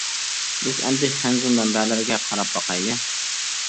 بىز ئەمدى خەنزۇ مەنبەلەرگە قاراپ باقايلى.